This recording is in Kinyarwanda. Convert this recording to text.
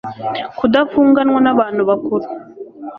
kudafunganwa n abantu bakuru